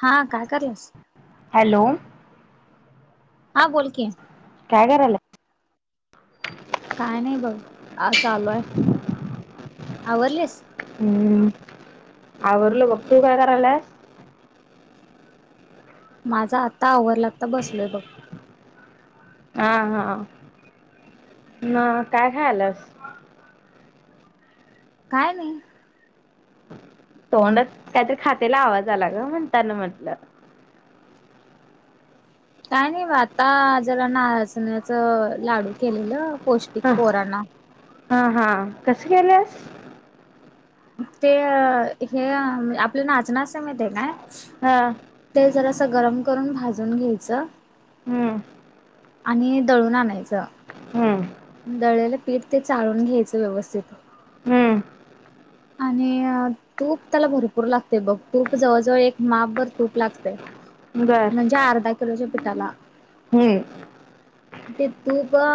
हा काय करालीस? हॅलो. हा बोल की. काय करायला? काय नाही बघ चालू आहे आवरलीस? हम्म आवरलं बघ तू काय करालेस? माझं आता आवरला आत्ता बसलोय बघ. हा हा मग काय खायलास? काय नाही. तोंडात काहीतरी खातेला आवाज आला गं म्हणताना म्हटलं. काय नाही बघ आता जरा नाचण्याचं लाडू केलेलं. पौष्टिक हा पोरांना. हा हा कसं केलंस? ते हे आपल नाचणं असंतय माहीत आहे काय? हा. ते जरासं गरम करून भाजून घ्यायचं. हम्म. आणि दळून आणायचं. हम्म दळलेलं पीठ ते चाळून घ्यायचं व्यवस्थित. हम्म आणि तूप त्याला भरपूर लागतंय बघ तूप जवळजवळ एक मापभर तूप लागतंय. बर म्हणजे अर्धा किलोच्या पिठाला हम्म. ते तूपं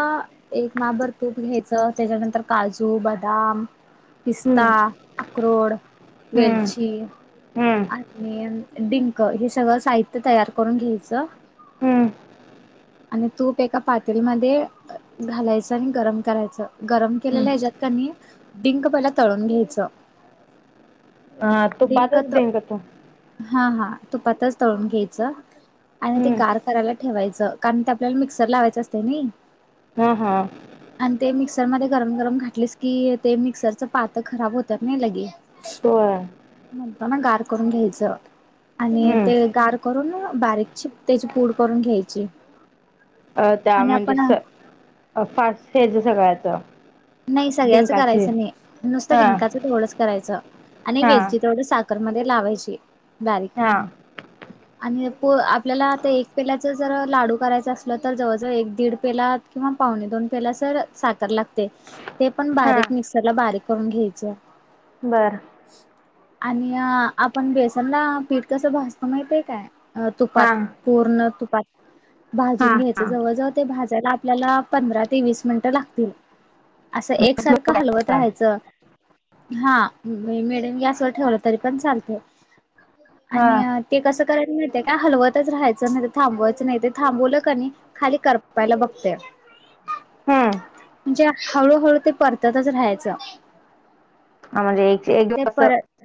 एक मापभर तूप घ्यायचं त्याच्यानंतर काजू बदाम पिस्ता हम्म अक्रोड हम्म वेलची. हम्म आणि डिंक हे सगळं साहित्य तयार करून घ्यायचं. हम्म. आणि तूप एका पातेल्यामध्ये घालायचं आणि गरम करायचं गरम हम्म केलेल्या ह्याच्यात क डिंक पहि तळून घ्यायचं. हा डिंक तूपातच त डिक तळून हा हा तुपतच तळून घ्यायचं आणि ते हम्म गार करायला ठेवायचं. कारण ते आपल्याला मिक्सर लावायचं असत नाही. हा हा. आणि ते मिक्सर मध्ये गरम गरम घातलेस की ते मिक्सरच पात खराब होतात नाही लगे. होय म्हणता ना गार करून घ्यायचं. आणि हम्म ते गार करून बारीकची त्याची पूड करून घ्यायची. अ त्या आणि म्हणजे आपण फस हेच सगळ्याच. नाही सगळ्याच डिंकाची करायचं नाही नुसतं हा डिकाचं थोडंच करायचं आणि हा वेलची थोडं सा कुकर मध्ये लावायचे. हा. आणि आपल्याला आता एक पेलाच जर लाडू करायच असलं तर जवळजवळ एक दीड पेला किंवा पावणेदोन पेला सर साखर लागते ते पण हा बारीक मिक्सर ला बारीक करून घ्यायचे. बर. आणि आपण बेसनला पीठ कसं भासतो माहितय काय. अ हा तुपात पूर्ण तुपात. हा भाजून हा घ्यायचं जवळजवळ ते भाजायला आपल्याला पंधरा ते वीस मिनटं लागतील. असं एकसारखं हलवत राहायचं. हा मॅडम गॅसवर ठेवलं तरी पण चालते. हा आणि ते कसं. रायला का हलवतच राहायचं नाही थांबवायचं नाही ते थांबवलं क खाली करपायला बघते. [unintelligible] म्हणजे हळूहळू ते परततच राहायचं. आ म्हणजे एक एक. ते परत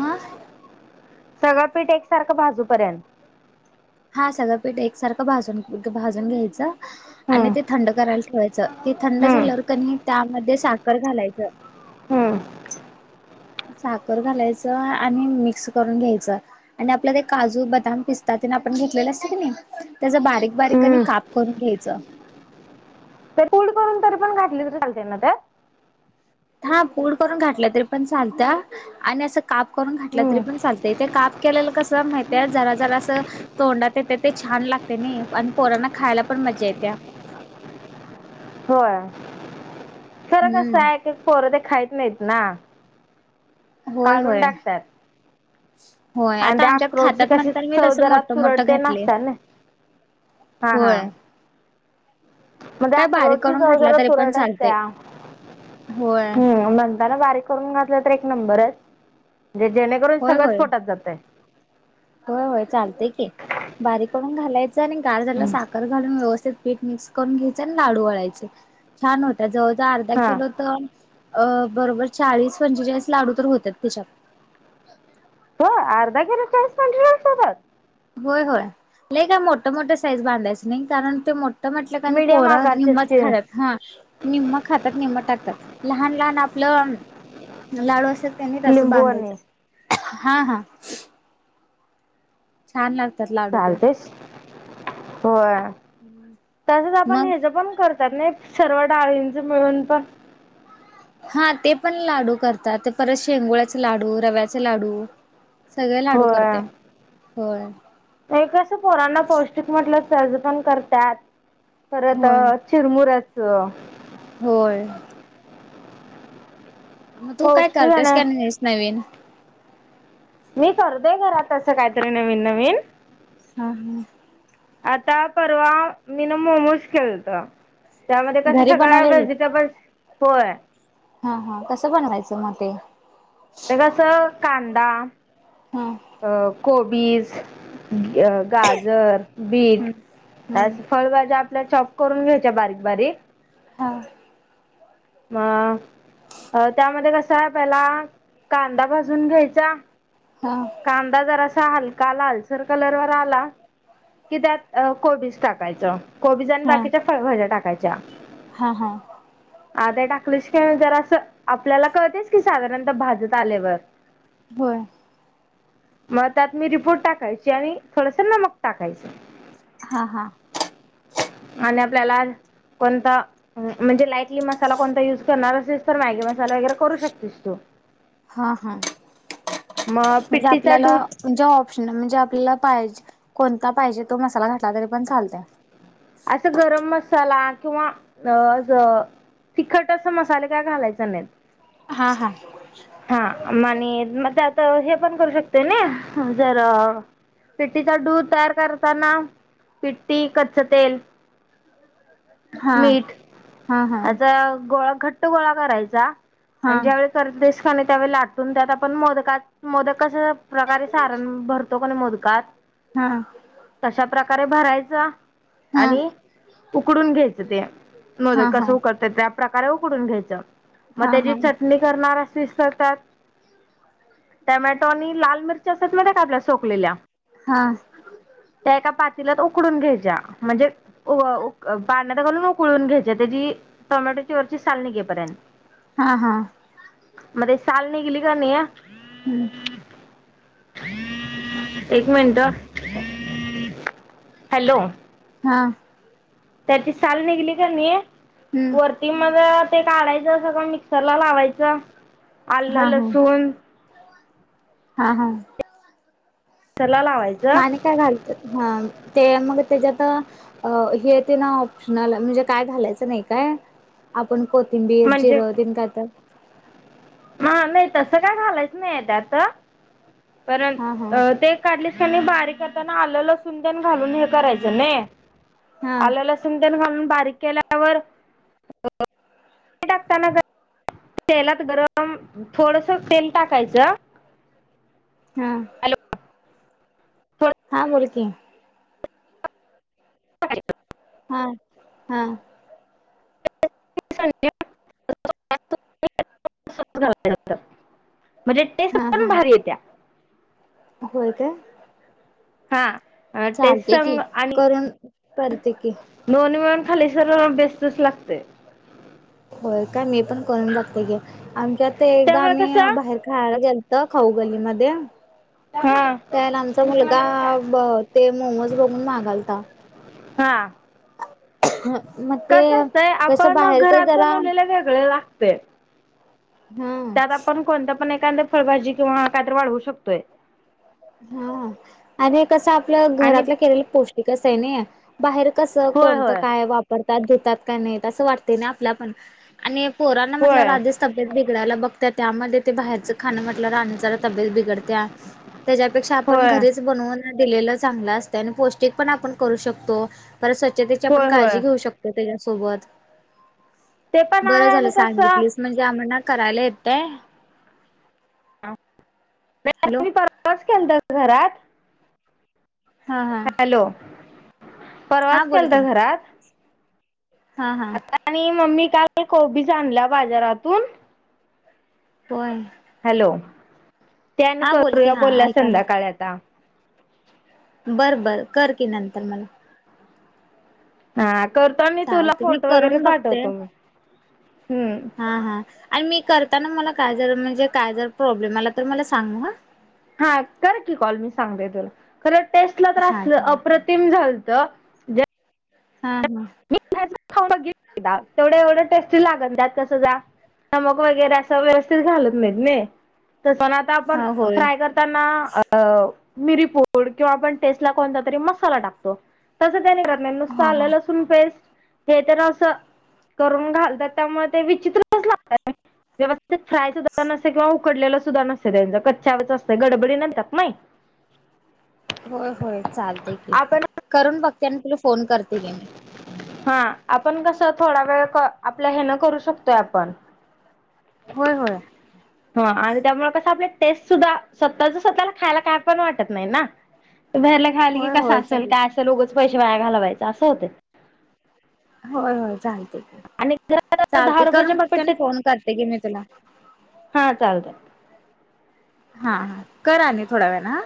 हा. सगळं पीठ एकसारखं भाजूपर्यंत. हा सगळं पीठ एकसारखं भाजून भाजून घ्यायचं आणि हम्म ते थंड करायला ठेवायचं. ते थंड हम्म झाल्यावर क त्यामध्ये साखर घालायचं. हम्म साखर घालायचं आणि मिक्स करून घ्यायचं आणि आपल्या ते काजू बदाम पिस्तात. आपण घेतले अस क त्याच बारीक बारीक हम्म काप करून घ्यायच. [unintelligible] करून तरी पण घातली तर चालते ना तर. हा पूड करून घातलं तरी पण चालत आणि असं काप करून घातलं हम्म तरी पण चालतथे काप. केलेलं कस माहिितय जरा जरा अस तोंडात येते ते छान लागते नाही आणि पोरांना खायला पण. मजा येत्या. [unintelligible] हो. कसं हम्म आहे एक पोरं ते खायत नाहीत ना होय काढून होय टाकतात. होय आणि आता ते आमच्यात अक्रोडचे खातात कशी म्हणताना मी तसं चौदरात मोठं मोठं तुरडते घातलय नासतात ना. हा हा. होय. म्हणजे काय बारीक अक्रोटची करून चव घातला जर तरी पण तुरट चालतय असत्या. होय हम्म म्हणता ना बारीक. करून घातल तर एक नंबर आहेे जेणेकरून होय सगळंच होय पोटात जातय. होय होय चालतय की बारीकडून घालायचं आणि गार झालं साखर घालून व्यवस्थित. पीठ मिक्स करून घ्यायच आणि लाडू वळायचे छान होत जवळ जव अर्धा हा किलो तर. अ बरोबर चाळीस पंचेचाळीस लाडू तर होतात त्याच्यात. अर्ध किलो चाळीस पंचेचाळीस. होय होय लई काय मोठ मोठ साईज बांधायचं नाही कारण ते मो. तर म्हटलं का नाही मीडियम पोहर निम्मच आकारचे खातत, हा निम्म खातात निम्म टाकतात. लहान लहान आपलं लाडू असत, त्यांनी तस लिंबू आणि बांधायचं. हा हा. छान लागत. चालतेच हो. तसच आपण मग हच पण करतात, नाही सर्व डाळींच मिळून पण. हा ते पण लाडू करतात, परत शेंगोळ्याचे लाडू रव्याचे लाडू. सगळे लाडू करते होय. नाही कसं पुराण पौष्टिक म्हटलं सर्ज पण करतात. परत होय चिरमुऱच. होय. मग तू काय पौष्टिक आहे करतेस, ना. काय नाहीस नवीन. मी करते घरात अस काहीतरी नवीन नवीन. हा हा. आता परवा मीन मोमोज केलंत. त्यामध्ये कसं घरी सगळं बनवलेली व्हेजिटेबल्स होय. पुन्हा ते. तर कस कांदा, हा अ कोबीज गाजर, हम्म बीट हम्म अस फळभाज्या आपल्या चॉप करून घ्याय च्या बारीक बारी हा. म अ त्यामध्ये कस आहे पहिला, कांदा भाजून घ्यायचा. हा कांदा जरासा हलका लालसर कलर वर आला की त्यात कोबीज टाकायचं. कोबीज आणि हा बाकीच्या फळ भाज्या टाकायच्या. हा हा. आद्या टाकलीश तर जरास आपल्याला कळतयच की साधारणता भाजत आल्यावर. होय मग त्यात मीरि पुड टाकायची, आणि थोडस नमक टाकायचं. हा हा. आणि आपल्याला कोणतं, म्हणजे लाईक मसाला कोणता युज करणार असलीस तर मॅगी मसाला वगैरे करू शकतीस तू. हा हा. मग म्हणजे पिट्टीचा आपल्याला दूध म्हणजे ऑप्शन म्हणजे आपल्याला पाहिजे कोणता पाहिजे तो मसाला घातला तरी पण चालतय्. असं गरम मस मसाला किंवा तिखट अस, मसाले काय घालायच नाहीत. हा हा. हा म आणि मग आता हे पण करू शकतय नई जर पिट्टीचा डू तयार करताना पिट्टी, कच्च तेल हा मीठ हा हा त्याचा गोळा घट घट्ट गोळा करायचा हा आणि ज्या वेळे करतेस कणी, त्यावेळी लाटून त्या पण मोदकात मोदक कश प्रकारे सारण भरतो कणी मोदकात हा. कारे भरायचां हा हा. आणि उकडून घ्यायचं ते. हा मोदक कस उकडतात त्या प्रकार उकडून घ्यायच. मग हा त्याची चटणी करणार असलीस तर त्यात टमॅटो आणि लाल मिरच्या असतत्यात माहितीय का आपल्या सोकलेल्या हा त्या एका पा तिलात उकडून घ्यायच्या, म्हणजे पाण्यात घालून उकळून घ्यायच्या. त्याजी टमॅट वरची साल निघेपर्यंत. हा हा. मध्ये साल निघली का कणी हम्म. एक मिनट, हॅलो. हा. त्याची साल निघली कणी, हम्म वरती मग ते काढायचं सगळ मिक्सर ला लावायचं. आल्ल, हा हा. लसूण हा हा. त्याला म लावायचं आणि काय घालत्यात. ह ते मग त्याच्यात अ हे ते ना ऑप्शनल हाय. म्हणजे काय घालायचं नाही काय? आपण को कोथिंबीर, म्हणजे जिर तेन काय तर हा नाही तसं काय घालायच नाही त्यात. कारण हा हा ते काढली नी बारीक आताना आलं लसूण तेन घालून हे करायचं न हा आलं लसूण तेन घालून बारीक. केल्यावर टाकताना. तेलात गरम थोडस तेल टाकायचं. हा. हा बोल की, काय [unintelligible] हा हा. [unintelligible] म्हणजे टेस्ट हा पण हा भारी य त्या. होय काय, हा. टेस्ट चालते की करून करते की, नन मन खाली सर बेस्तच लागते, होय काय मी पण करून बघते घे आमच्या एकदा त्यामुळे आम्ही कसं बाहेर खायला गेलो त खाऊगलीमध्ये. हा त्याला आमचा मुलगा ते मोमोज बघून मागालता. हा. मग ते कस असतय कसं आपण बाहेरच घरात जरा बनवलेले वेगळे लागते. हा त्यात आपण कोणत पण एखाद फळभाजी किंवा काय तर वाढवू शकतोय. हा आणि कसं आपलं आणि घरातलं केलेलं पौष्टिकच आहे नई बाहेर कसं होय कोणतं होय काय वापरतात घेतात का नाही असं वाटत नाही आपल्या पण आणि पोरांना म्हटलं होय आधीच तब्येत बिडायला बघ त्यामध्ये ते बाहेरचं खाणं म्हटल्यावर आणि जरा तब्येत बिघडत्या. त्याच्यापेक्षा आपण होय घरीच बनवून दिलेलं चांगलं असत आणि पौष्टिक पण आपण करू शकतो. परत स्वच्छतेची आपण होय काळजी होय घेऊ शकतो, त्याच्यासोबत ते पण आहे बरं आणि झालं कसं सांगितलीस म्हणजे आम्हा ना करायला येतय. हॅलो परवाच के तर घरात हा हा हॅलो! हा परवाच बोल केल की त घरात. हा हा आता आणि मम्मी का कोबीज आणल्या बाजारातून, होय. हॅलो! त्यानी हा बोल की करूया हा बोलला संध्याकाळ आता. बरं बर कर की नंतर मला. हा. करतो मी तुला चालतय मी फोटो वगैरे करून बघते पाठवतो मी हम्म! हा हा आणि मी करताना मला काय जर म्हणजे काय जर प्रॉब्लेम आला तर मला सांग ह. हा कर की कॉल मी सांगते तुला खरं टेस्टला हा त्रास चाल अप्रतिम झाल [unintelligible] हा तेवढ्या एवढं टेस्टी लागन त्यात कसं जा नमक वगैरे असं व्यवस्थित घालत नाहीत नाही. तस पण आता आपण हा होय फ्राय करताना अ मिरीपूड किंवा आपण टेस्टला कोणता तरी मसाला टाकतो तसं का निरत नाही नुसत हा आलं हा लसू [unintelligible] हे तर असं करून घालतात त्यामुळे ते विचित्रच लागत व्यवस्थित फ्राय सुद्धार न किंवा उकडलेलं सुद्धा नसते त्यांच कच्छवरच असत गडबडी करतात नाही. होय होय चालते की आपण करून बघते आणि तुला फोन करते घे मी. हा आपण कस थोडा वेळ आपल्या हेन करू शकतोय आपण. होय होय. ह आणि त्यामुळे कस आपल्या टेस्ट सुद्धा स्वतःच स्वतःला खायला काय पण वाटत नाही ना! ते बाहेरलं खायल की होय कस होय असल तस चालेल काय असल उगच पैसे वाया घालवायच असं होतय होय होय चालतय दहा चालतय रुपयाच्या करून बघते आणि पेटीत फोन करते की मी तुला हा चालत हा हा कर आणि थोड्या वेळाने हा